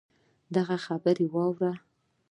دغـه خبـرې اورې